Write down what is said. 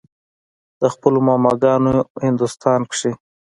د خپلو ماما ګانو هندوستان کښې